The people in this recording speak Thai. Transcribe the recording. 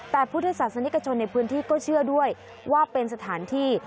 แต่พุทธศาสนิกชนในพื้นที่ก็เชื่อด้วยว่าเป็นสถานที่